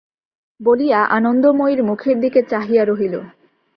বলিয়া আনন্দময়ীর মুখের দিকে চাহিয়া রহিল।